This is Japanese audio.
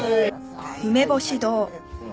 はい。